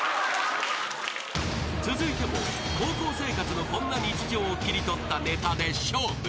［続いても高校生活のこんな日常を切り取ったネタで勝負］